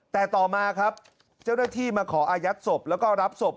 แต่ต่อมาเจ้าหน้าที่มาขออายัดศพและรับศพ